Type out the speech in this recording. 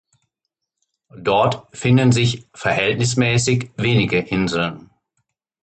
Dort finden sich verhältnismäßig wenige Inseln.